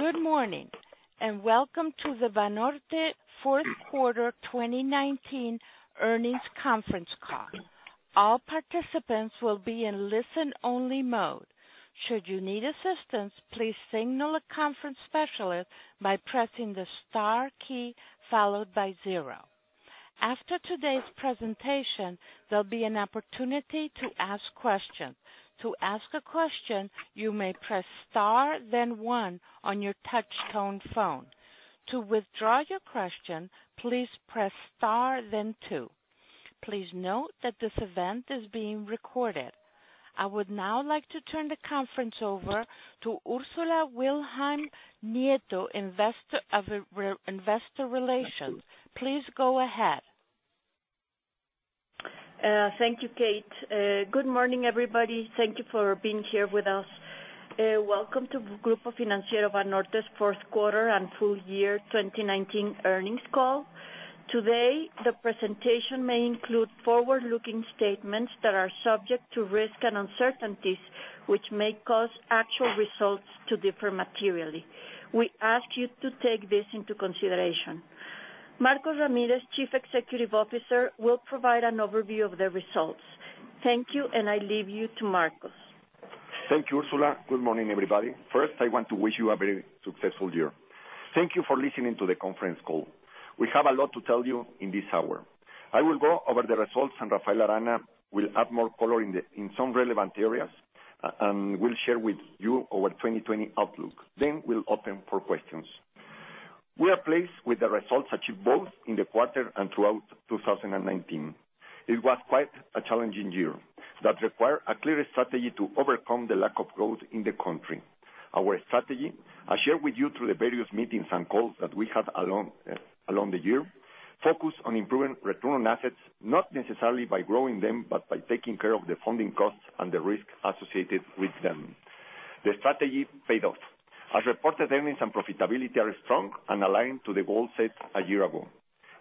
Good morning, and welcome to the Banorte Fourth Quarter 2019 Earnings Conference Call. All participants will be in listen-only mode. Should you need assistance, please signal a conference specialist by pressing the star key followed by zero. After today's presentation, there'll be an opportunity to ask questions. To ask a question, you may press star then one on your touch tone phone. To withdraw your question, please press star then two. Please note that this event is being recorded. I would now like to turn the conference over to Ursula Wilhelm Nieto, investor relations. Please go ahead. Thank you, Kate. Good morning, everybody. Thank you for being here with us. Welcome to Grupo Financiero Banorte's Fourth Quarter and Full Year 2019 Earnings Call. Today, the presentation may include forward-looking statements that are subject to risks and uncertainties, which may cause actual results to differ materially. We ask you to take this into consideration. Marcos Ramírez, Chief Executive Officer, will provide an overview of the results. Thank you, and I leave you to Marcos. Thank you, Ursula. Good morning, everybody. I want to wish you a very successful year. Thank you for listening to the conference call. We have a lot to tell you in this hour. I will go over the results. Rafael Arana will add more color in some relevant areas. We'll share with you our 2020 outlook. We'll open for questions. We are pleased with the results achieved both in the quarter and throughout 2019. It was quite a challenging year that required a clear strategy to overcome the lack of growth in the country. Our strategy, as shared with you through the various meetings and calls that we had along the year, focused on improving return on assets, not necessarily by growing them, but by taking care of the funding costs and the risk associated with them. The strategy paid off. As reported, earnings and profitability are strong and aligned to the goals set a year ago.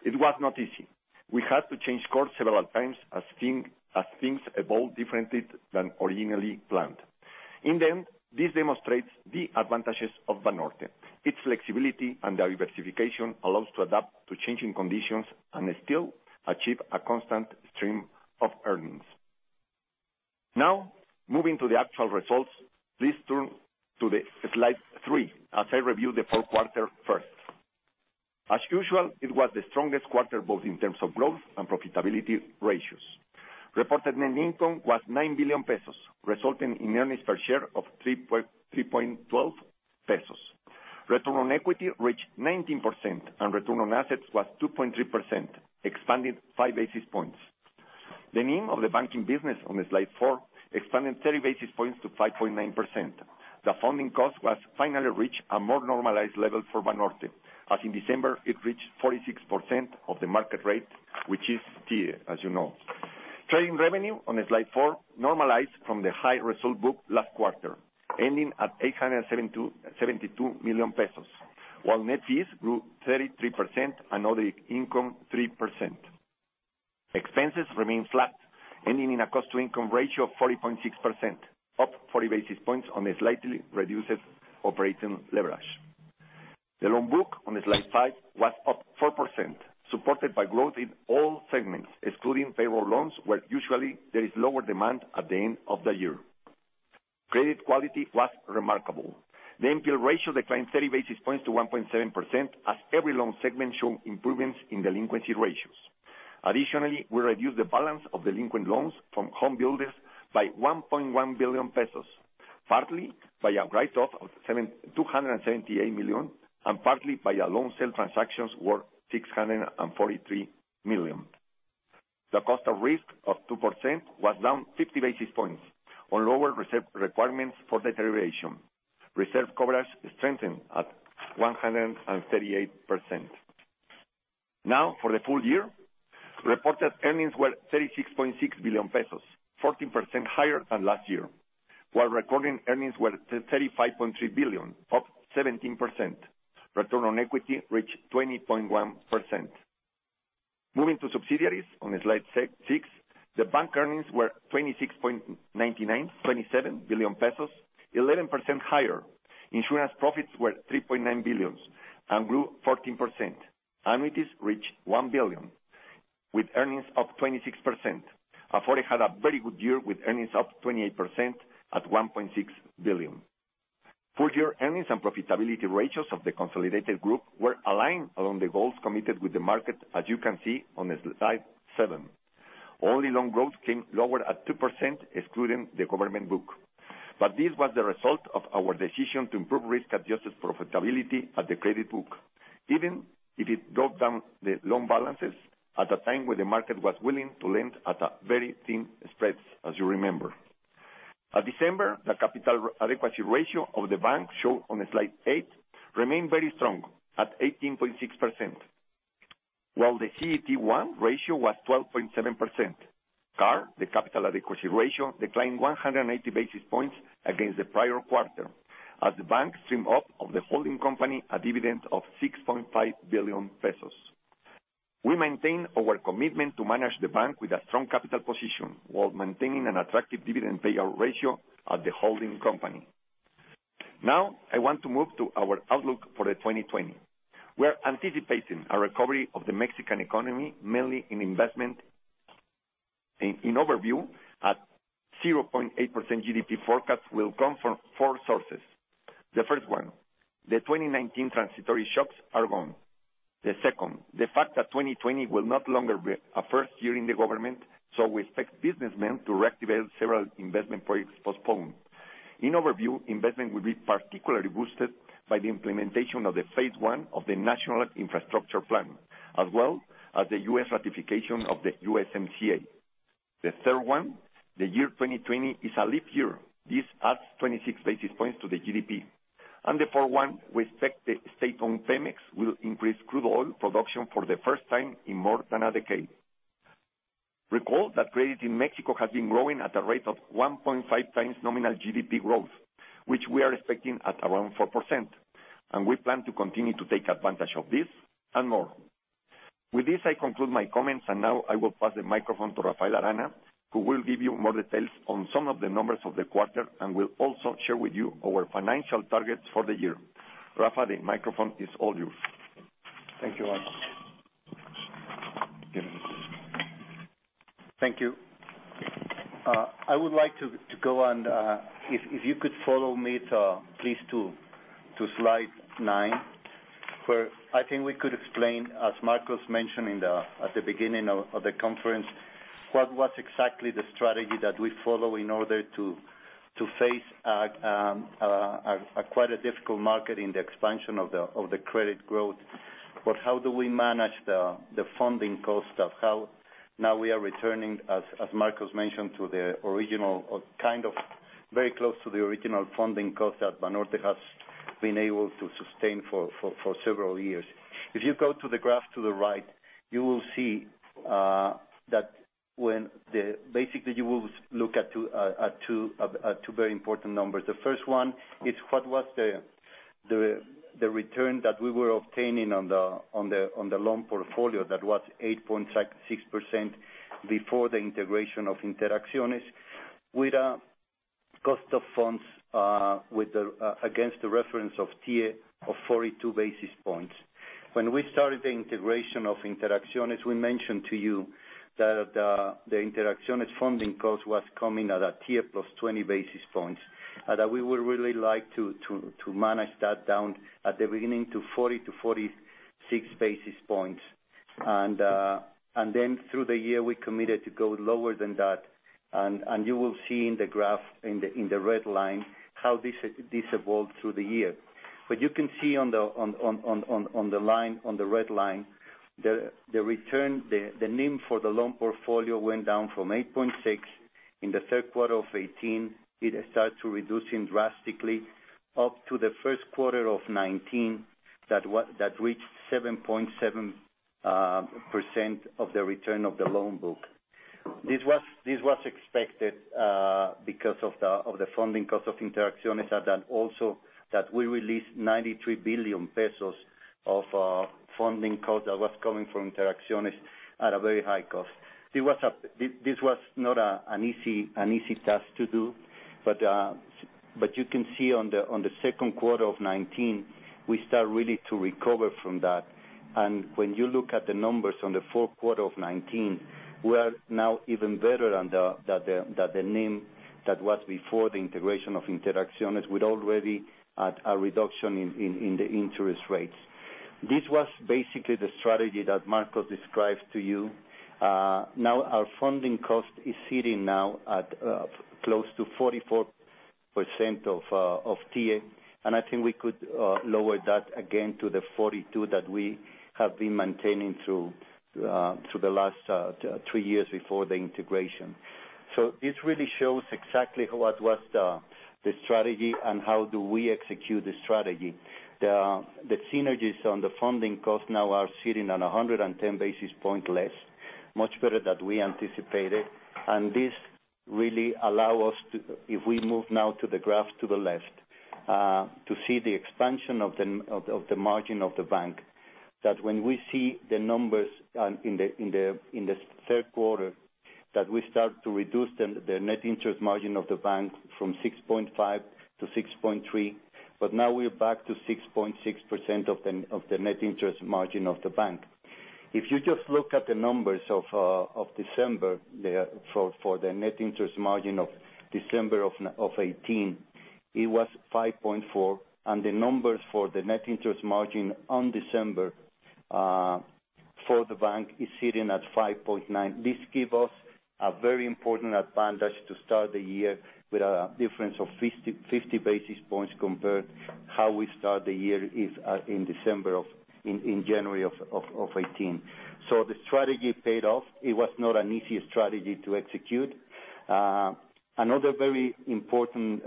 It was not easy. We had to change course several times as things evolved differently than originally planned. In the end, this demonstrates the advantages of Banorte. Its flexibility and diversification allows to adapt to changing conditions and still achieve a constant stream of earnings. Now, moving to the actual results. Please turn to the slide three as I review the fourth quarter first. As usual, it was the strongest quarter, both in terms of growth and profitability ratios. Reported net income was 9 billion pesos, resulting in earnings per share of 3.12 pesos. Return on equity reached 19%, and return on assets was 2.3%, expanding five basis points. The NIM of the banking business on slide four expanded 30 basis points to 5.9%. The funding cost has finally reached a more normalized level for Banorte, as in December, it reached 46% of the market rate, which is TIIE, as you know. Trading revenue, on slide four, normalized from the high result book last quarter, ending at 872 million pesos, while net fees grew 33%, and other income 3%. Expenses remain flat, ending in a cost-to-income ratio of 40.6%, up 40 basis points on a slightly reduced operating leverage. The loan book, on slide five, was up 4%, supported by growth in all segments, excluding payroll loans, where usually there is lower demand at the end of the year. Credit quality was remarkable. The NPL ratio declined 30 basis points to 1.7%, as every loan segment showed improvements in delinquency ratios. Additionally, we reduced the balance of delinquent loans from home builders by 1.1 billion pesos, partly by a write-off of 278 million, and partly by a loan sale transactions worth 643 million. The cost of risk of 2% was down 50 basis points on lower reserve requirements for deterioration. Reserve coverage strengthened at 138%. For the full year, reported earnings were 36.6 billion pesos, 14% higher than last year, while recording earnings were 35.3 billion, up 17%. Return on equity reached 20.1%. Moving to subsidiaries on slide six, the bank earnings were 26.99 billion, 27 billion pesos, 11% higher. Insurance profits were 3.9 billion and grew 14%. Annuities reached 1 billion, with earnings up 26%. Afore had a very good year, with earnings up 28% at 1.6 billion. Full year earnings and profitability ratios of the consolidated group were aligned along the goals committed with the market, as you can see on slide seven. Only loan growth came lower at 2%, excluding the government book. This was the result of our decision to improve risk-adjusted profitability at the credit book, even if it drove down the loan balances at a time when the market was willing to lend at a very thin spread, as you remember. At December, the capital adequacy ratio of the bank, shown on slide eight, remained very strong at 18.6%, while the CET1 ratio was 12.7%. CAR, the capital adequacy ratio, declined 180 basis points against the prior quarter as the bank streamed out of the holding company a dividend of 6.5 billion pesos. We maintain our commitment to manage the bank with a strong capital position while maintaining an attractive dividend payout ratio at the holding company. I want to move to our outlook for the 2020. We're anticipating a recovery of the Mexican economy, mainly in investment. In overview, a 0.8% GDP forecast will come from four sources. The first one, the 2019 transitory shocks are gone. The second, the fact that 2020 will no longer be a first year in the government, so we expect businessmen to reactivate several investment projects postponed. In overview, investment will be particularly boosted by the implementation of the phase I of the National Infrastructure Plan, as well as the U.S. ratification of the USMCA. The third one, the year 2020 is a leap year. This adds 26 basis points to the GDP. The fourth one, we expect the state-owned PEMEX will increase crude oil production for the first time in more than a decade. Recall that credit in Mexico has been growing at a rate of 1.5x nominal GDP growth, which we are expecting at around 4%, we plan to continue to take advantage of this and more. With this, I conclude my comments, now I will pass the microphone to Rafael Arana, who will give you more details on some of the numbers of the quarter and will also share with you our financial targets for the year. Rafa, the microphone is all yours. Thank you, Marcos. Thank you. I would like to go on. If you could follow me, please, to slide nine, where I think we could explain, as Marcos mentioned at the beginning of the conference, what was exactly the strategy that we follow in order to face quite a difficult market in the expansion of the credit growth. How do we manage the funding cost of how now we are returning, as Marcos mentioned, to the original, or kind of very close to the original funding cost that Banorte has been able to sustain for several years. If you go to the graph to the right, you will see that basically you will look at two very important numbers. The first one is what was the return that we were obtaining on the loan portfolio. That was 8.6% before the integration of Interacciones, with a cost of funds against the reference of TIIE of 42 basis points. When we started the integration of Interacciones, we mentioned to you that the Interacciones funding cost was coming at a TIIE plus 20 basis points, that we would really like to manage that down at the beginning to 40-46 basis points. Through the year, we committed to go lower than that, and you will see in the graph in the red line how this evolved through the year. You can see on the red line, the NIM for the loan portfolio went down from 8.6% in the third quarter of 2018. It started to reducing drastically up to the first quarter of 2019. That reached 7.7% of the return of the loan book. This was expected because of the funding cost of Interacciones, and then also that we released 93 billion pesos of funding cost that was coming from Interacciones at a very high cost. This was not an easy task to do, but you can see on the second quarter of 2019, we start really to recover from that. When you look at the numbers on the fourth quarter of 2019, we are now even better than the NIM that was before the integration of Interacciones with already a reduction in the interest rates. This was basically the strategy that Marcos described to you. Our funding cost is sitting now at close to 44% of TIIE, and I think we could lower that again to the 42% that we have been maintaining through the last three years before the integration. This really shows exactly what was the strategy and how do we execute the strategy. The synergies on the funding cost now are sitting on 110 basis point less, much better that we anticipated. This really allow us to, if we move now to the graph to the left, to see the expansion of the margin of the bank, that when we see the numbers in the third quarter, that we start to reduce the net interest margin of the bank from 6.5% to 6.3%. Now we are back to 6.6% of the net interest margin of the bank. If you just look at the numbers of December for the net interest margin of December of 2018, it was 5.4%, and the numbers for the net interest margin on December for the bank is sitting at 5.9%. This give us a very important advantage to start the year with a difference of 50 basis points compared how we start the year in January of 2018. The strategy paid off. It was not an easy strategy to execute. Another very important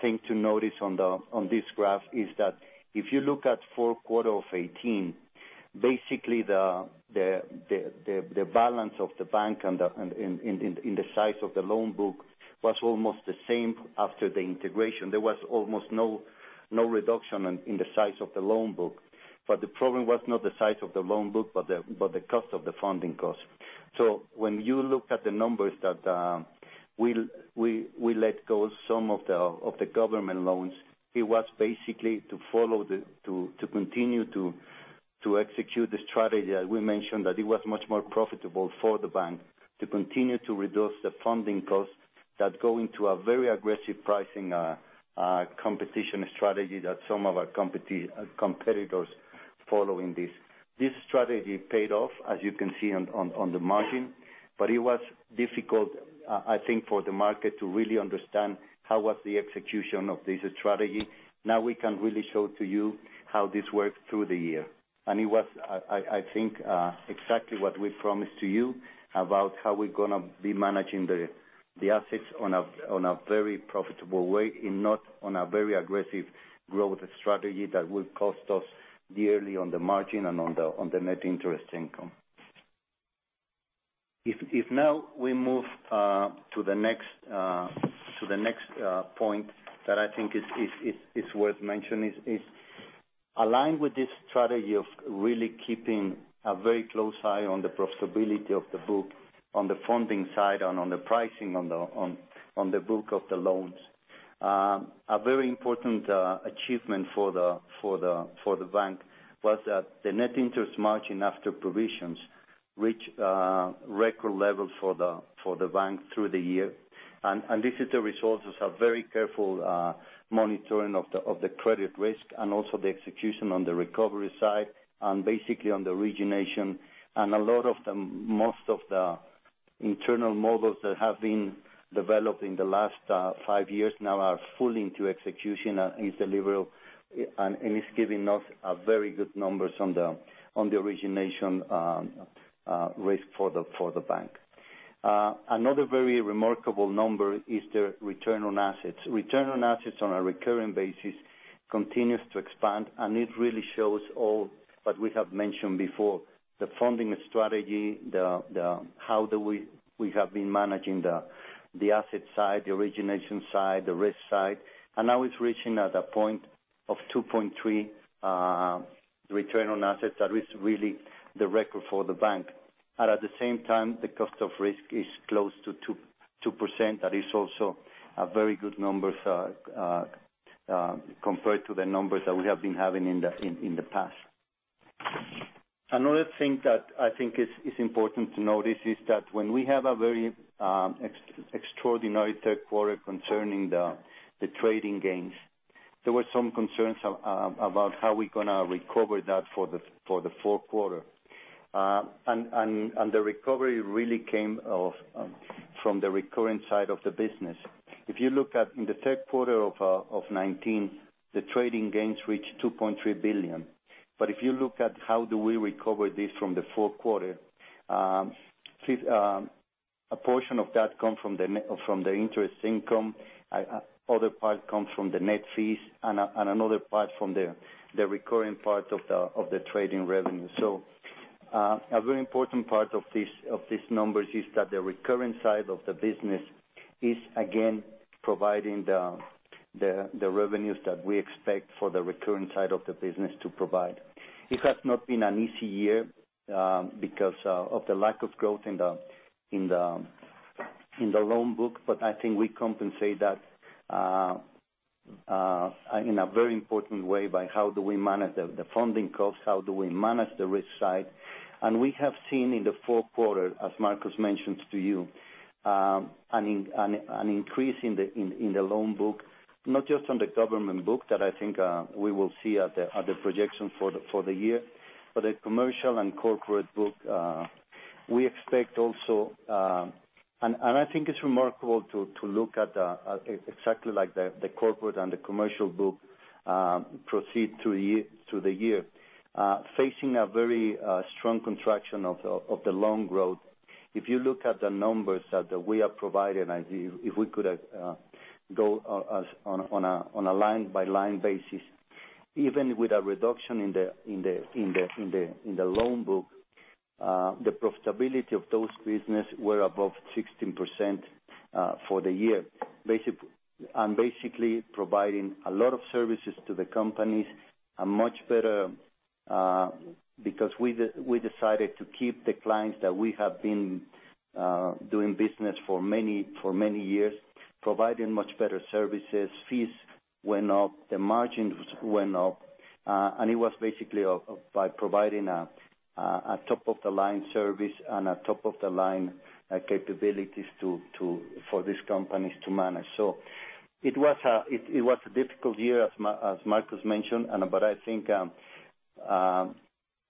thing to notice on this graph is that if you look at four quarter of 2018, basically the balance of the bank and the size of the loan book was almost the same after the integration. There was almost no reduction in the size of the loan book. The problem was not the size of the loan book, but the cost of the funding cost. When you look at the numbers that we let go some of the government loans, it was basically to continue to execute the strategy that we mentioned, that it was much more profitable for the bank to continue to reduce the funding costs that go into a very aggressive pricing competition strategy that some of our competitors following this. This strategy paid off, as you can see on the margin. It was difficult, I think, for the market to really understand how was the execution of this strategy. We can really show to you how this worked through the year. It was, I think, exactly what we promised to you about how we're going to be managing the assets on a very profitable way, and not on a very aggressive growth strategy that will cost us dearly on the margin and on the net interest income. Now we move to the next point that I think is worth mentioning is, aligned with this strategy of really keeping a very close eye on the profitability of the book, on the funding side, and on the pricing on the book of the loans. A very important achievement for the bank was that the net interest margin after provisions reached record levels for the bank through the year. This is the results of some very careful monitoring of the credit risk and also the execution on the recovery side, and basically on the origination. Most of the internal models that have been developed in the last five years now are fully into execution and is delivered, and is giving us very good numbers on the origination risk for the bank. Another very remarkable number is the return on assets. Return on assets on a recurring basis continues to expand, it really shows all that we have mentioned before, the funding strategy, how we have been managing the asset side, the origination side, the risk side. Now it's reaching at a point of 2.3% return on assets. That is really the record for the bank. At the same time, the cost of risk is close to 2%. That is also a very good numbers compared to the numbers that we have been having in the past. Another thing that I think is important to notice is that when we have a very extraordinary third quarter concerning the trading gains, there were some concerns about how we're going to recover that for the fourth quarter. The recovery really came from the recurring side of the business. If you look at in the third quarter of 2019, the trading gains reached 2.3 billion. If you look at how do we recover this from the fourth quarter, a portion of that come from the interest income. Other part comes from the net fees, another part from the recurring part of the trading revenue. A very important part of these numbers is that the recurring side of the business is again providing the revenues that we expect for the recurring side of the business to provide. It has not been an easy year because of the lack of growth in the loan book. I think we compensate that in a very important way by how do we manage the funding cost, how do we manage the risk side. We have seen in the fourth quarter, as Marcos mentioned to you, an increase in the loan book, not just on the government book, that I think we will see at the projection for the year. The commercial and corporate book, we expect also. I think it's remarkable to look at exactly the corporate and the commercial book proceed through the year. Facing a very strong contraction of the loan growth. If you look at the numbers that we have provided, if we could go on a line-by-line basis, even with a reduction in the loan book, the profitability of those business were above 16% for the year. Basically providing a lot of services to the companies. Because we decided to keep the clients that we have been doing business for many years, providing much better services. Fees went up, the margins went up. It was basically by providing a top-of-the-line service and a top-of-the-line capabilities for these companies to manage. It was a difficult year, as Marcos mentioned, but I think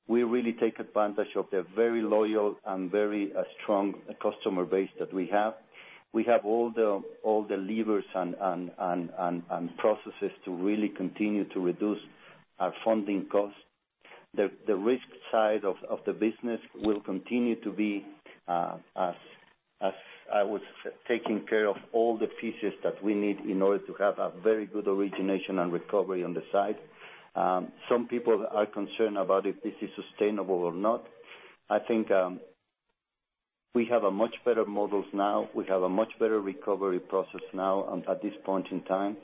we really take advantage of the very loyal and very strong customer base that we have. We have all the levers and processes to really continue to reduce our funding costs. The risk side of the business will continue to be, as I was taking care of all the pieces that we need in order to have a very good origination and recovery on the side. Some people are concerned about if this is sustainable or not. I think we have a much better models now. We have a much better recovery process now at this point in time.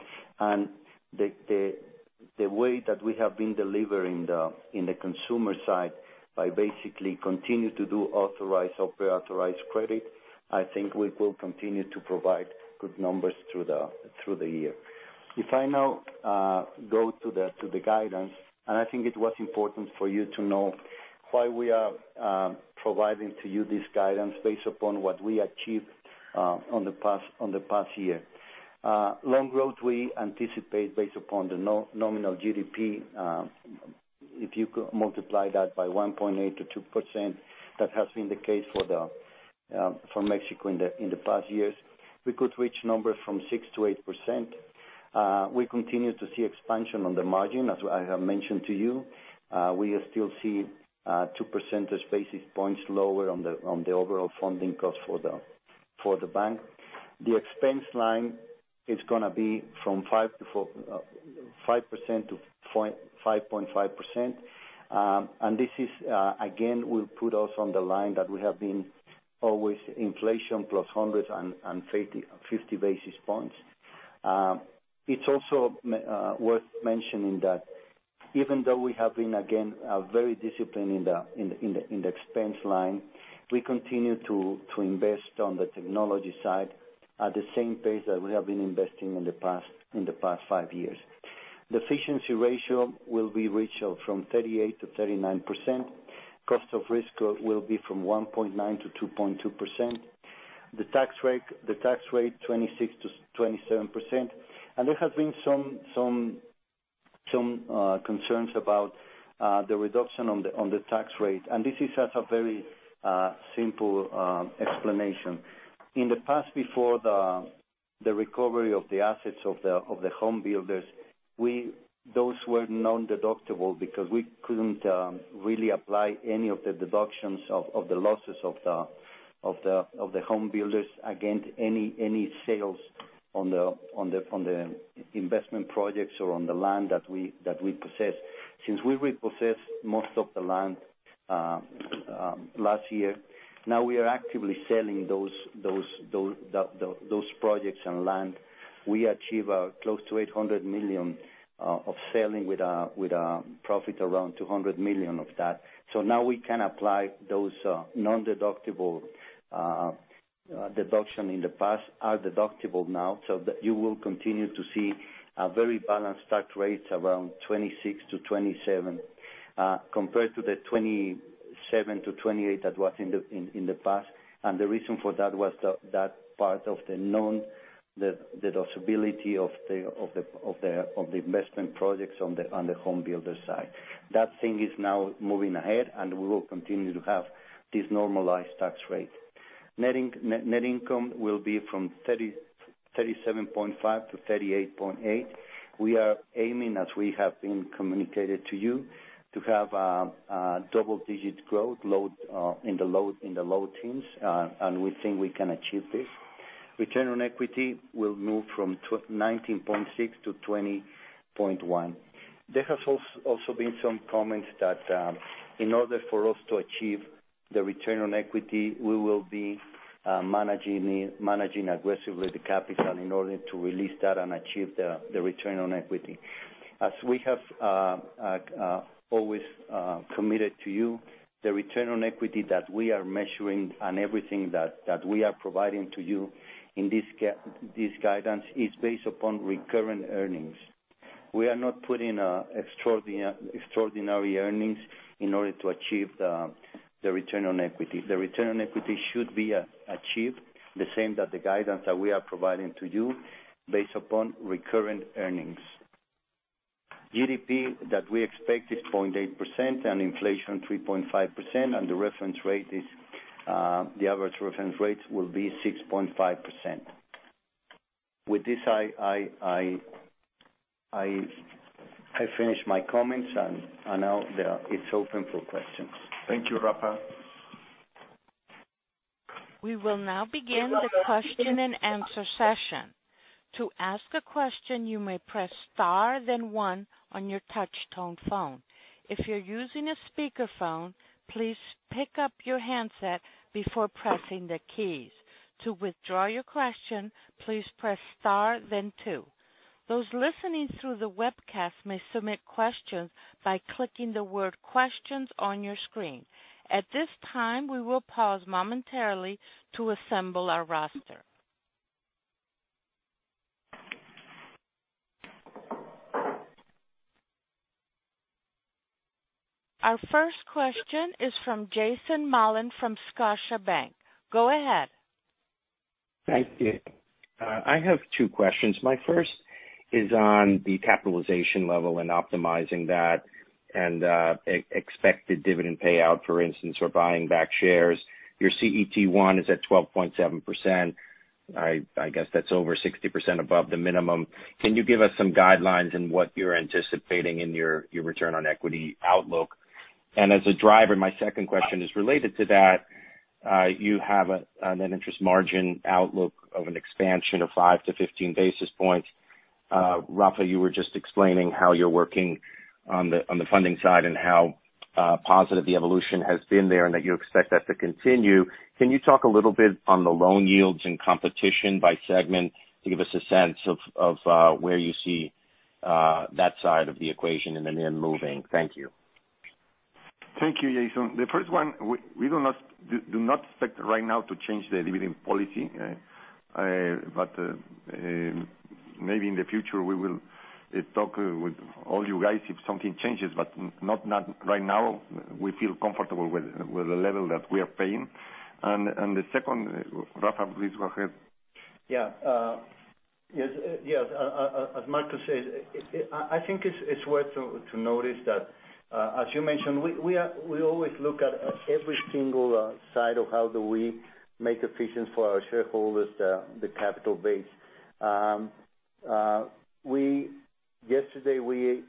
The way that we have been delivering in the consumer side, by basically continue to do authorized or pre-authorized credit, I think we will continue to provide good numbers through the year. If I now go to the guidance, and I think it was important for you to know why we are providing to you this guidance based upon what we achieved on the past year. Loan growth, we anticipate based upon the nominal GDP. If you could multiply that by 1.8%-2%, that has been the case for Mexico in the past years. We could reach numbers from 6%-8%. We continue to see expansion on the margin, as I have mentioned to you. We still see two percentage basis points lower on the overall funding cost for Banorte. The expense line is going to be from 5%-5.5%. This is, again, will put us on the line that we have been always inflation +150 basis points. It's also worth mentioning that even though we have been, again, very disciplined in the expense line, we continue to invest on the technology side at the same pace that we have been investing in the past five years. The efficiency ratio will be reached from 38%-39%. Cost of risk will be from 1.9%-2.2%. The tax rate, 26%-27%. There have been some concerns about the reduction on the tax rate. This is just a very simple explanation. In the past, before the recovery of the assets of the home builders, those were non-deductible because we couldn't really apply any of the deductions of the losses of the home builders against any sales from the investment projects or on the land that we possessed. Since we repossessed most of the land last year, now we are actively selling those projects and land. We achieve close to $800 million of selling, with a profit around $200 million of that. Now we can apply those non-deductible deduction in the past are deductible now. You will continue to see a very balanced tax rate, around 26%-27%, compared to the 27%-28% that was in the past. The reason for that was that part of the non-deductibility of the investment projects on the home builder side. That thing is now moving ahead, and we will continue to have this normalized tax rate. Net Income will be from 37.5%-38.8%. We are aiming, as we have been communicating to you, to have a double-digit growth in the low teens, and we think we can achieve this. Return on Equity will move from 19.6%-20.1%. There have also been some comments that in order for us to achieve the Return on Equity, we will be managing aggressively the capital in order to release that and achieve the Return on Equity. As we have always committed to you, the Return on Equity that we are measuring and everything that we are providing to you in this guidance is based upon recurrent earnings. We are not putting extraordinary earnings in order to achieve the return on equity. The return on equity should be achieved the same that the guidance that we are providing to you based upon recurrent earnings. GDP that we expect is 0.8%, and inflation 3.5%, and the average reference rate will be 6.5%. With this, I finish my comments, and now it's open for questions. Thank you, Rafa. We will now begin the question and answer session. To ask a question, you may press star then one on your touch tone phone. If you're using a speakerphone, please pick up your handset before pressing the keys. To withdraw your question, please press star then two. Those listening through the webcast may submit questions by clicking the word Questions on your screen. At this time, we will pause momentarily to assemble our roster. Our first question is from Jason Mollin from Scotiabank. Go ahead. Thank you. I have two questions. My first is on the capitalization level and optimizing that and expected dividend payout, for instance, or buying back shares. Your CET1 is at 12.7%. I guess that's over 60% above the minimum. Can you give us some guidelines on what you're anticipating in your return on equity outlook? As a driver, my second question is related to that. You have an interest margin outlook of an expansion of 5 to 15 basis points. Rafa, you were just explaining how you're working on the funding side and how positive the evolution has been there, and that you expect that to continue. Can you talk a little bit on the loan yields and competition by segment to give us a sense of where you see that side of the equation in the near moving? Thank you. Thank you, Jason. The first one, we do not expect right now to change the dividend policy. Maybe in the future, we will talk with all you guys if something changes, but not right now. We feel comfortable with the level that we are paying. The second, Rafa, please go ahead. Yeah. As Marcos said, I think it's worth to notice that, as you mentioned, we always look at every single side of how do we make efficient for our shareholders, the capital base. Yesterday, we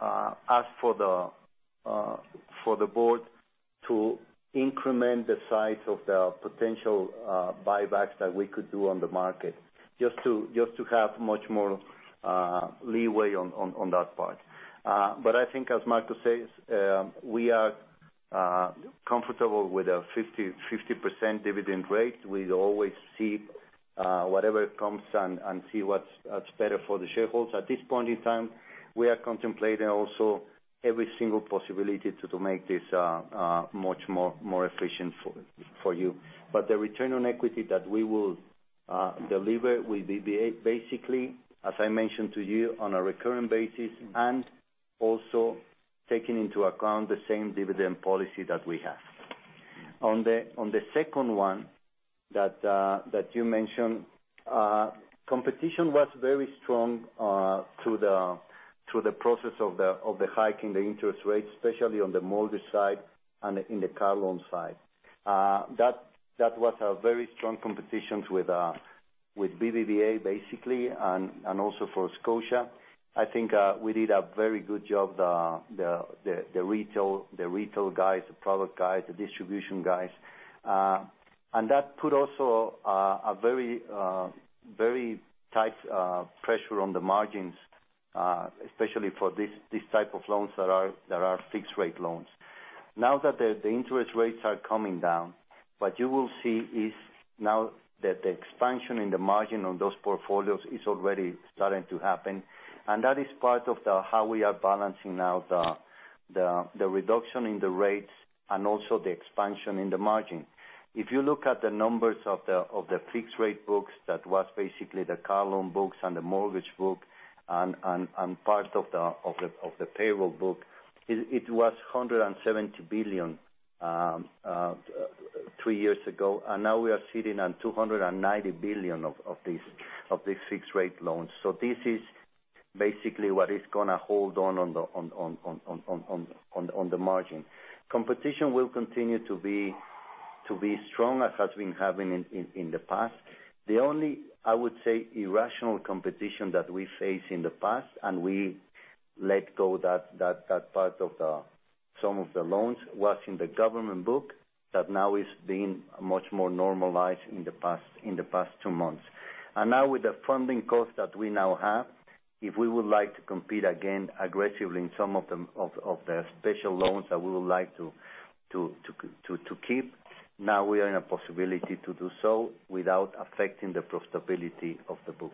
asked for the board to increment the size of the potential buybacks that we could do on the market, just to have much more leeway on that part. I think, as Marcos says, we are comfortable with a 50% dividend rate. We always see whatever comes and see what's better for the shareholders. At this point in time, we are contemplating also every single possibility to make this much more efficient for you. The return on equity that we will deliver will be basically, as I mentioned to you, on a recurring basis, and also taking into account the same dividend policy that we have. On the second one that you mentioned, competition was very strong through the process of the hike in the interest rates, especially on the mortgage side and in the car loan side. That was a very strong competition with BBVA, basically, and also for Scotia. I think we did a very good job, the retail guys, the product guys, the distribution guys. That put also a very tight pressure on the margins, especially for these type of loans that are fixed rate loans. Now that the interest rates are coming down, what you will see is now that the expansion in the margin on those portfolios is already starting to happen, and that is part of how we are balancing now the reduction in the rates and also the expansion in the margin. If you look at the numbers of the fixed rate books, that was basically the car loan books and the mortgage book and part of the payroll book, it was 170 billion three years ago, and now we are sitting on 290 billion of these fixed-rate loans. This is basically what is going to hold on the margin. Competition will continue to be strong as has been happening in the past. The only, I would say, irrational competition that we faced in the past, and we let go that part of some of the loans, was in the government book that now is being much more normalized in the past two months. Now with the funding cost that we now have, if we would like to compete again aggressively in some of the special loans that we would like to keep, now we are in a possibility to do so without affecting the profitability of the book.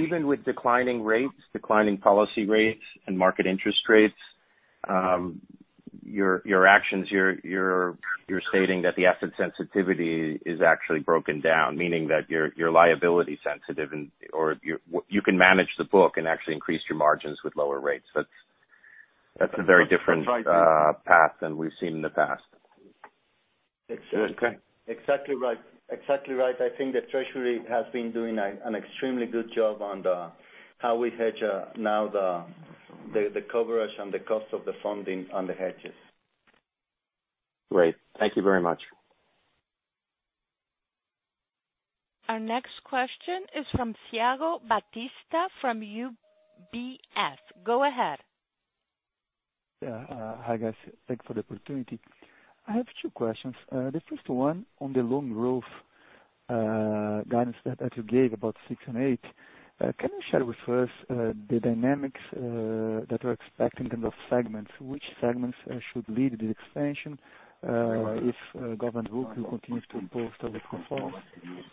Even with declining rates, declining policy rates, and market interest rates, your actions, you're stating that the asset sensitivity is actually broken down, meaning that you're liability sensitive or you can manage the book and actually increase your margins with lower rates. That's a very different. That's right. path than we've seen in the past. Exactly. Okay. Exactly right. I think the treasury has been doing an extremely good job on how we hedge now the coverage and the cost of the funding on the hedges. Great. Thank you very much. Our next question is from Thiago Batista from UBS. Go ahead. Yeah. Hi, guys. Thanks for the opportunity. I have two questions. The first one on the loan growth guidance that you gave about six and eight, can you share with us the dynamics that you're expecting in the segments? Which segments should lead the expansion? Government book will continue to post a good performance.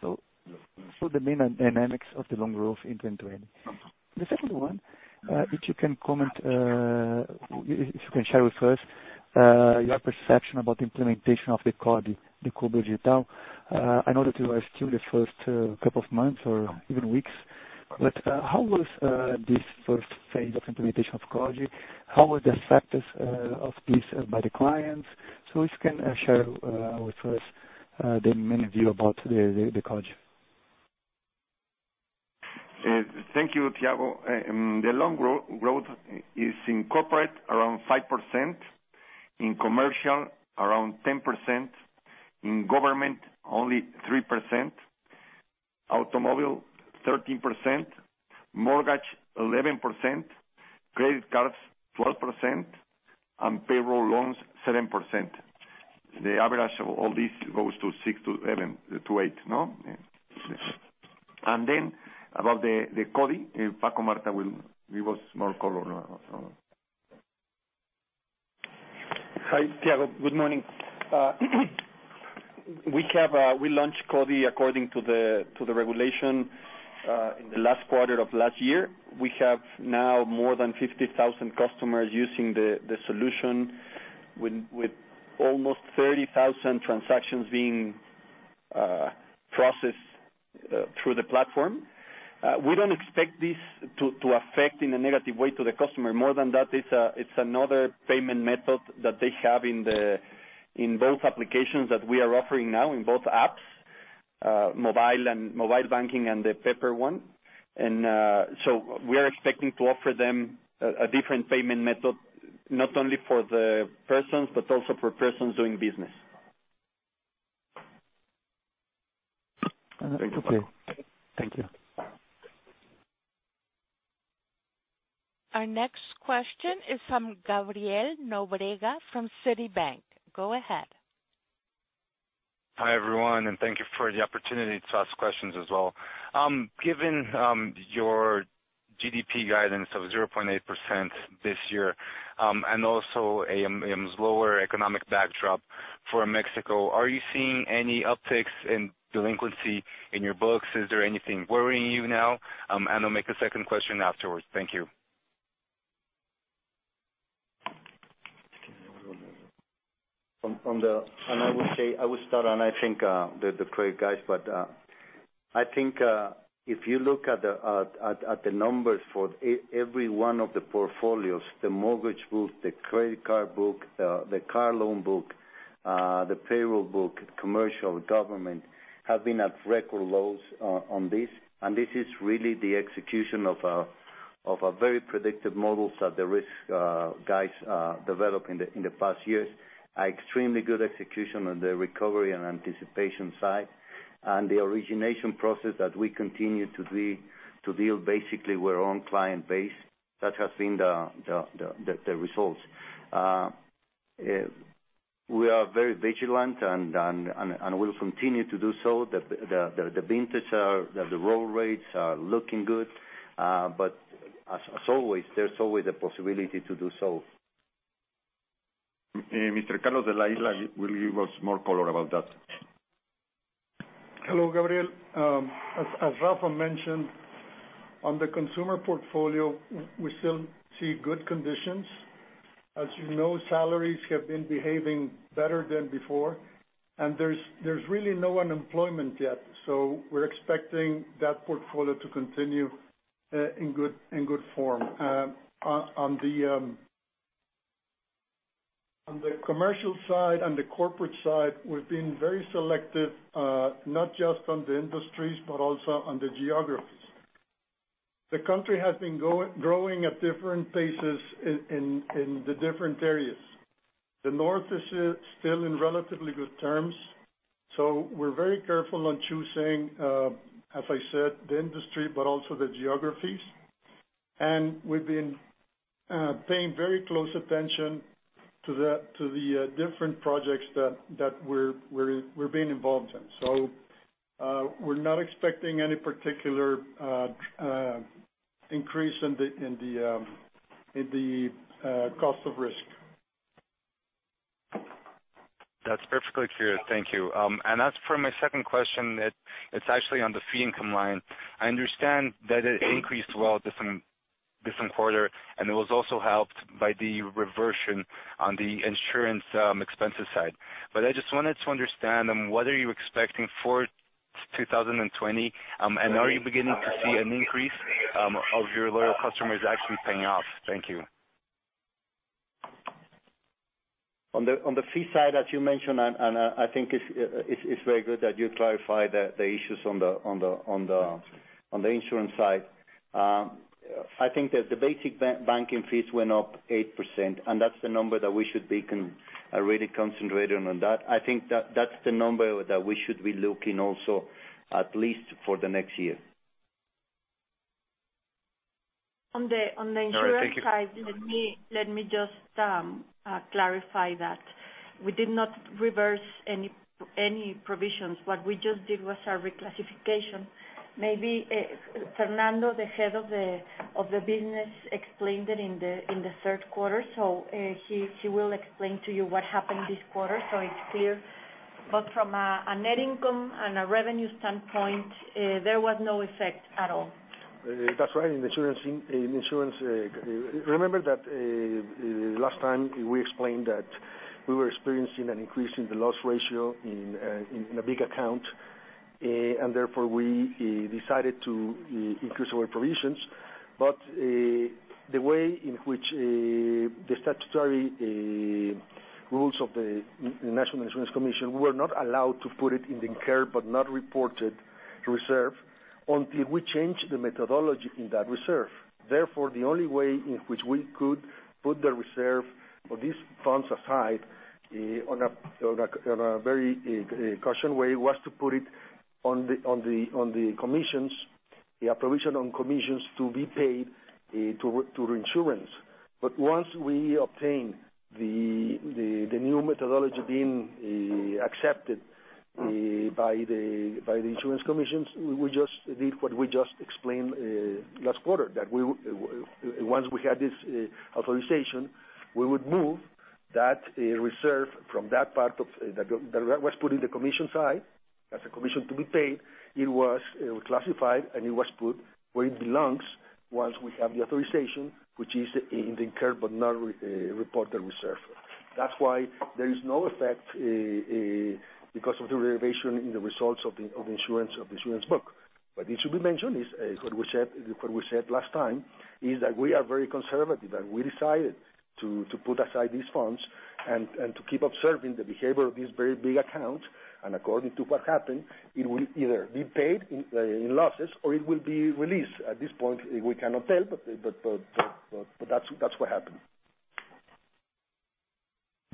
The main dynamics of the loan growth in 2020? The second one, if you can share with us your perception about the implementation of the CoDi, the Cobro Digital. I know that you are still the first couple of months or even weeks, but how was this phase I of implementation of CoDi? How were the factors of this by the clients? If you can share with us the main view about the CoDi. Thank you, Thiago. The loan growth is in corporate, around 5%, in commercial, around 10%, in government, only 3%, automobile, 13%, mortgage, 11%, credit cards, 12%, and payroll loans, 7%. The average of all this goes to six to eight, no? About the CoDi, Francisco Martha will give us more color on. Hi, Thiago. Good morning. We launched CoDi according to the regulation in the last quarter of last year. We have now more than 50,000 customers using the solution, with almost 30,000 transactions being processed through the platform. We don't expect this to affect in a negative way to the customer. More than that, it's another payment method that they have in both applications that we are offering now, in both apps, mobile banking and the paper one. We are expecting to offer them a different payment method, not only for the persons, but also for persons doing business. Thanks, Franco. Okay. Thank you. Our next question is from Gabriel Nóbrega from Citibank. Go ahead. Hi, everyone, and thank you for the opportunity to ask questions as well. Given your GDP guidance of 0.8% this year, and also a slower economic backdrop for Mexico, are you seeing any upticks in delinquency in your books? Is there anything worrying you now? I'll make a second question afterwards. Thank you. I will start on, I think, the credit guys, but I think if you look at the numbers for every one of the portfolios, the mortgage book, the credit card book, the car loan book, the payroll book, commercial, government, have been at record lows on this, and this is really the execution of very predictive models that the risk guys developed in the past years. Extremely good execution on the recovery and anticipation side. The origination process that we continue to deal, basically, were on client base. That has been the results. We are very vigilant and will continue to do so. The vintage, the roll rates are looking good. As always, there's always a possibility to do so. Mr. Carlos de la Isla will give us more color about that. Hello, Gabriel. As Rafa mentioned, on the consumer portfolio, we still see good conditions. As you know, salaries have been behaving better than before, and there's really no unemployment yet. We're expecting that portfolio to continue in good form. On the commercial side and the corporate side, we've been very selective, not just on the industries, but also on the geographies. The country has been growing at different paces in the different areas. The north is still in relatively good terms. We're very careful on choosing, as I said, the industry, but also the geographies. We've been paying very close attention to the different projects that we're being involved in. We're not expecting any particular increase in the cost of risk. That's perfectly clear. Thank you. As for my second question, it's actually on the fee income line. I understand that it increased well this quarter, and it was also helped by the reversion on the insurance expenses side. I just wanted to understand what are you expecting for 2020, and are you beginning to see an increase of your loyal customers actually paying off? Thank you. On the fee side, as you mentioned, and I think it's very good that you clarify the issues on the insurance side. I think that the basic banking fees went up 8%. That's the number that we should be really concentrating on that. I think that's the number that we should be looking also, at least for the next year. On the insurance side. All right. Thank you. Let me just clarify that. We did not reverse any provisions. What we just did was a reclassification. Maybe Fernando, the head of the business, explained it in the third quarter. He will explain to you what happened this quarter, so it's clear. From a net income and a revenue standpoint, there was no effect at all. That's right. In insurance, remember that last time we explained that we were experiencing an increase in the loss ratio in a big account, and therefore, we decided to increase our provisions. The way in which the statutory rules of the National Insurance Commission were not allowed to put it in the incurred but not reported reserve until we change the methodology in that reserve. The only way in which we could put the reserve for these funds aside in a very cautious way, was to put it on the commissions. The approval on commissions to be paid to reinsurance. Once we obtain the new methodology being accepted by the insurance commissions, we just did what we just explained last quarter, that once we had this authorization, we would move that reserve from that part that was put in the commission side, as a commission to be paid. It was classified, and it was put where it belongs once we have the authorization, which is in the incurred but not reported reserve. That's why there is no effect because of the reservation in the results of insurance book. It should be mentioned, what we said last time, is that we are very conservative, and we decided to put aside these funds and to keep observing the behavior of these very big accounts. According to what happened, it will either be paid in losses or it will be released. At this point, we cannot tell, but that's what happened.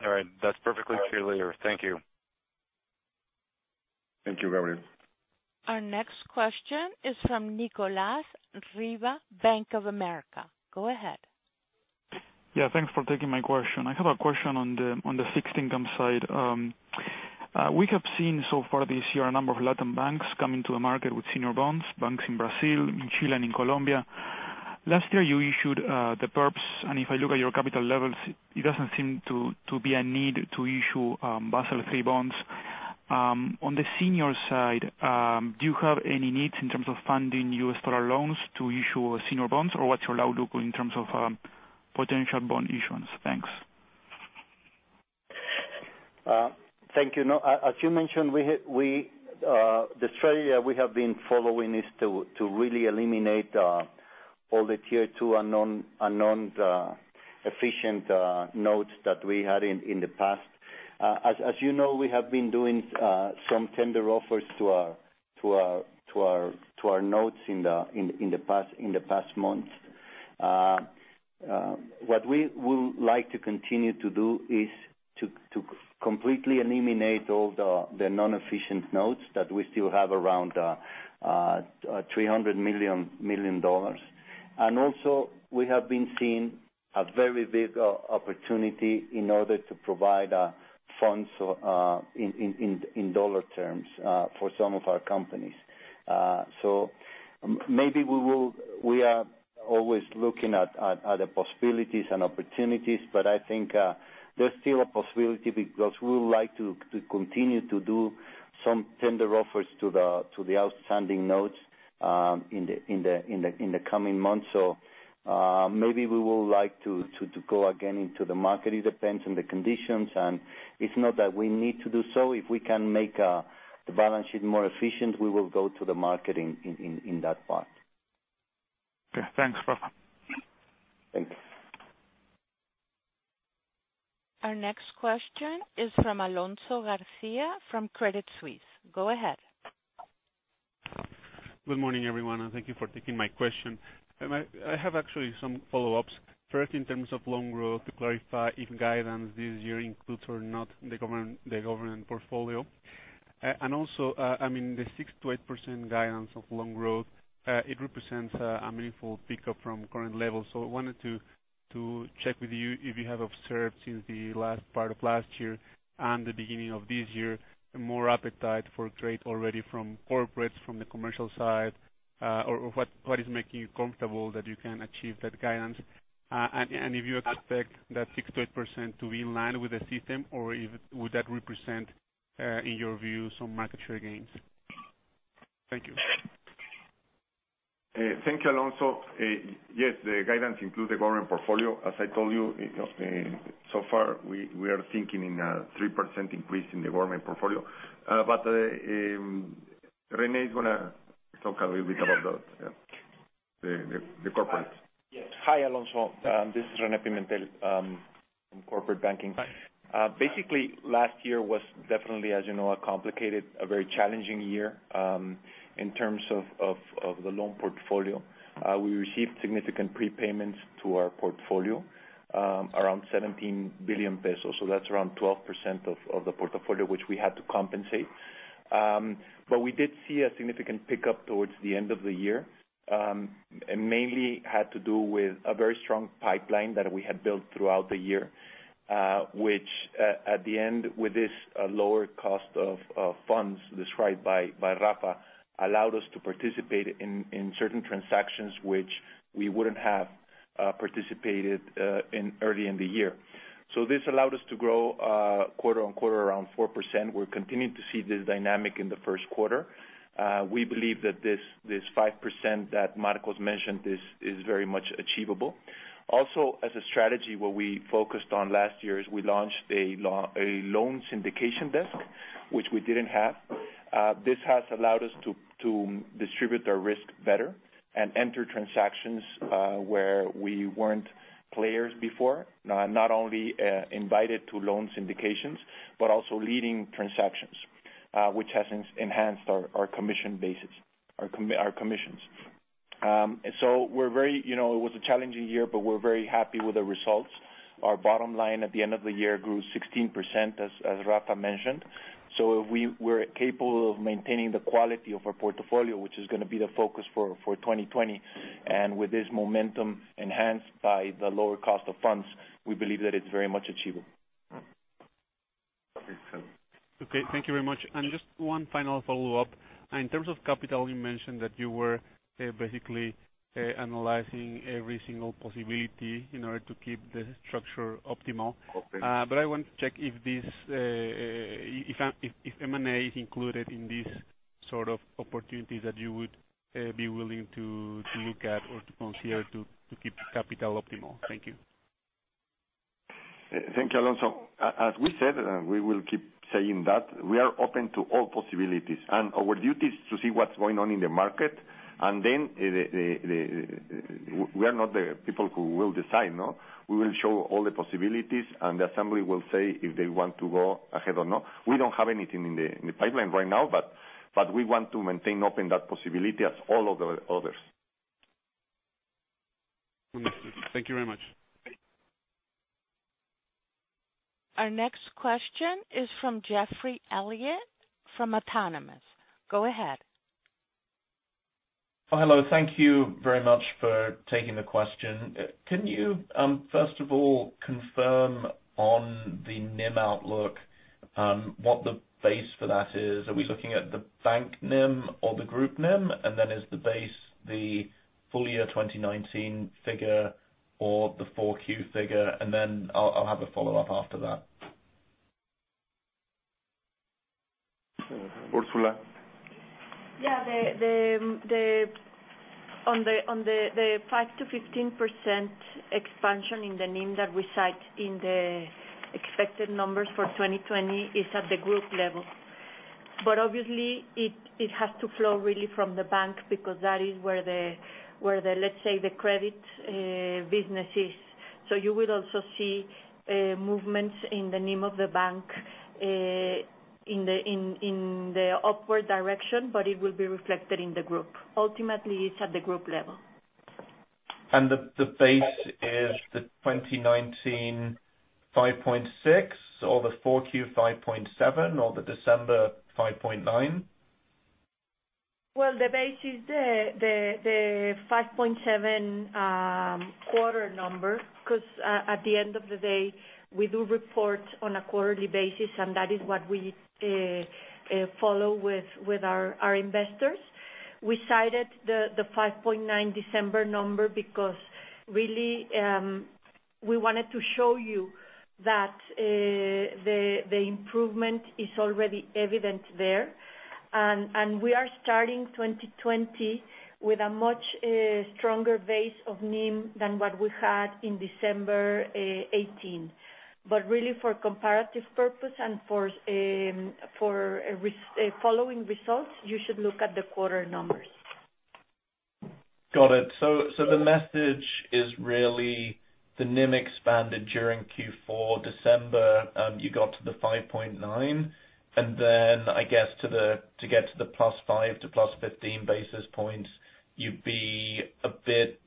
All right. That's perfectly clear. Thank you. Thank you, Gabriel. Our next question is from Nicolas Riva, Bank of America. Go ahead. Yeah, thanks for taking my question. I have a question on the fixed income side. We have seen so far this year a number of Latin banks coming to the market with senior bonds, banks in Brazil, in Chile, and in Colombia. Last year you issued the Perps, and if I look at your capital levels, it doesn't seem to be a need to issue Basel III bonds. On the senior side, do you have any needs in terms of funding U.S. dollar loans to issue senior bonds, or what's your outlook in terms of potential bond issuance? Thanks. Thank you. As you mentioned, the strategy we have been following is to really eliminate all the Tier 2 non-efficient notes that we had in the past. As you know, we have been doing some tender offers to our notes in the past months. What we would like to continue to do is to completely eliminate all the non-efficient notes that we still have around $300 million. Also, we have been seeing a very big opportunity in order to provide funds in dollar terms for some of our companies. Maybe we are always looking at the possibilities and opportunities, but I think there's still a possibility because we would like to continue to do some tender offers to the outstanding notes in the coming months. Maybe we will like to go again into the market. It depends on the conditions, and it's not that we need to do so. If we can make the balance sheet more efficient, we will go to the market in that part. Okay, thanks, Rafa. Thanks. Our next question is from Alonso Garcia from Credit Suisse. Go ahead. Good morning, everyone, and thank you for taking my question. I have actually some follow-ups. First, in terms of loan growth, to clarify if guidance this year includes or not the government portfolio. Also, the 6%-8% guidance of loan growth, it represents a meaningful pickup from current levels. I wanted to check with you if you have observed since the last part of last year and the beginning of this year, more appetite for trade already from corporates, from the commercial side, or what is making you comfortable that you can achieve that guidance? If you expect that 6%-8% to be in line with the system, or would that represent, in your view, some market share gains? Thank you. Thank you, Alonso. Yes, the guidance includes the government portfolio. As I told you, so far, we are thinking in a 3% increase in the government portfolio. René is going to talk a little bit about the corporates. Yes. Hi, Alonso. This is René Pimentel from corporate banking. Hi. Basically, last year was definitely, as you know, a complicated, a very challenging year in terms of the loan portfolio. We received significant prepayments to our portfolio, around 17 billion pesos. That's around 12% of the portfolio, which we had to compensate. We did see a significant pickup towards the end of the year. It mainly had to do with a very strong pipeline that we had built throughout the year, which at the end, with this lower cost of funds described by Rafa, allowed us to participate in certain transactions which we wouldn't have participated in early in the year. This allowed us to grow quarter-on-quarter around 4%. We're continuing to see this dynamic in the first quarter. We believe that this 5% that Marcos mentioned is very much achievable. Also, as a strategy, what we focused on last year is we launched a loan syndication desk, which we didn't have. This has allowed us to distribute our risk better and enter transactions where we weren't players before. Not only invited to loan syndications, but also leading transactions, which has enhanced our commissions. It was a challenging year, but we're very happy with the results. Our bottom line at the end of the year grew 16%, as Rafa mentioned. We're capable of maintaining the quality of our portfolio, which is going to be the focus for 2020, and with this momentum enhanced by the lower cost of funds, we believe that it's very much achievable. Okay. Thank you very much. Just one final follow-up. In terms of capital, you mentioned that you were basically analyzing every single possibility in order to keep the structure optimal. I want to check if M&A is included in these sort of opportunities that you would be willing to look at or to consider to keep the capital optimal. Thank you. Thank you, Alonso. As we said, we will keep saying that, we are open to all possibilities and our duty is to see what's going on in the market. We are not the people who will decide. We will show all the possibilities, and the assembly will say if they want to go ahead or not. We don't have anything in the pipeline right now, we want to maintain open that possibility as all of the others. Wonderful. Thank you very much. Our next question is from Geoffrey Elliott from Autonomous. Go ahead. Hello. Thank you very much for taking the question. Can you, first of all, confirm on the NIM outlook, what the base for that is? Are we looking at the bank NIM or the group NIM? Is the base the full year 2019 figure or the four Q figure? I'll have a follow-up after that. Ursula. On the 5%-15% expansion in the NIM that we cite in the expected numbers for 2020 is at the group level. Obviously, it has to flow really from the bank because that is where the, let's say, the credit business is. You will also see movements in the NIM of the bank in the upward direction, but it will be reflected in the group. Ultimately, it's at the group level. The base is the 2019 5.6 or the 4Q 5.7 or the December 5.9? Well, the base is the 5.7 quarter number because at the end of the day, we do report on a quarterly basis, and that is what we follow with our investors. We cited the 5.9 December number because really, we wanted to show you that the improvement is already evident there. We are starting 2020 with a much stronger base of NIM than what we had in December 2018. Really for comparative purpose and for following results, you should look at the quarter numbers. Got it. The message is really the NIM expanded during Q4, December, you got to the 5.9, and then I guess to get to the +5 to +15 basis points, you'd be a bit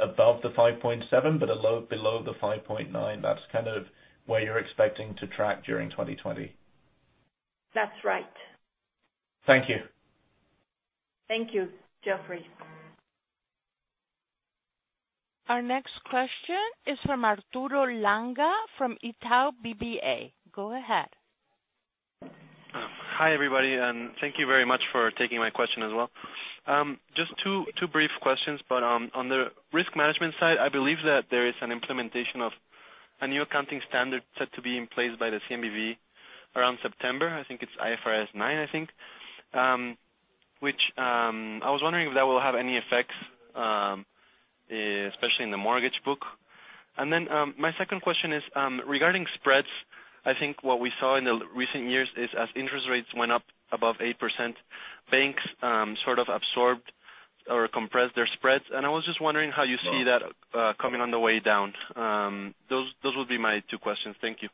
above the 5.7, but below the 5.9. That's kind of where you're expecting to track during 2020. That's right. Thank you. Thank you, Geoffrey. Our next question is from Arturo Langa from Itaú BBA. Go ahead. Hi, everybody, and thank you very much for taking my question as well. Just two brief questions, but on the risk management side, I believe that there is an implementation of a new accounting standard set to be in place by the CNBV around September. I think it's IFRS 9. I was wondering if that will have any effects, especially in the mortgage book. My second question is, regarding spreads, I think what we saw in the recent years is as interest rates went up above 8%, banks sort of absorbed or compressed their spreads, and I was just wondering how you see that coming on the way down. Those would be my two questions. Thank you.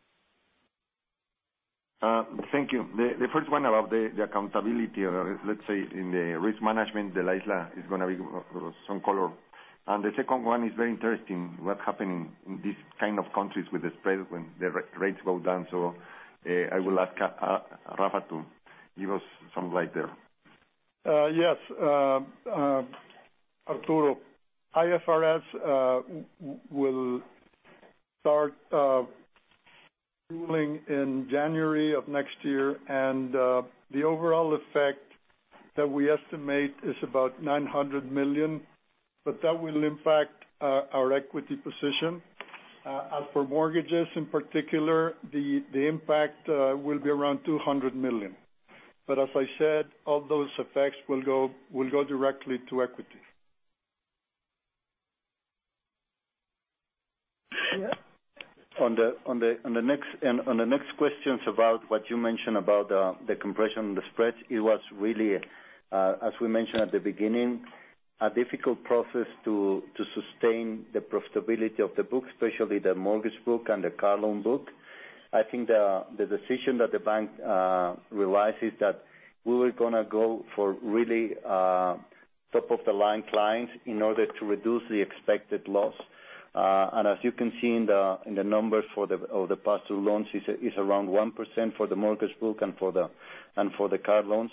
Thank you. The first one about the accountability, or let's say in the risk management, de la Isla is going to give some color. The second one is very interesting, what happened in these kind of countries with the spreads when the rates go down. I will ask Rafa to give us some light there. Yes. Arturo, IFRS will start ruling in January of next year. The overall effect that we estimate is about 900 million, but that will impact our equity position. As for mortgages in particular, the impact will be around 200 million. As I said, all those effects will go directly to equity. On the next questions about what you mentioned about the compression, the spreads, it was really, as we mentioned at the beginning, a difficult process to sustain the profitability of the book, especially the mortgage book and the car loan book. I think the decision that the bank realized is that we were going to go for really top-of-the-line clients in order to reduce the expected loss. As you can see in the numbers of the past due loans, it's around 1% for the mortgage book and for the car loans.